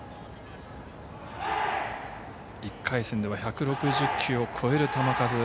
１回戦では１６０球を超える球数。